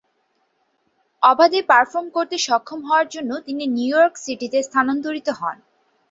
অবাধে পারফর্ম করতে সক্ষম হওয়ার জন্য তিনি নিউ ইয়র্ক সিটিতে স্থানান্তরিত হন।